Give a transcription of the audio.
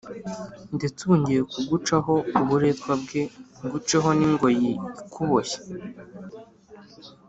Ndetse ubu ngiye kugucaho uburetwa bwe, nguceho n’ingoyi ikuboshye.”